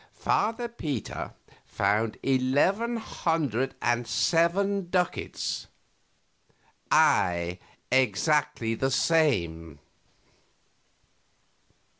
Father Peter found eleven hundred and seven ducats I exactly the same.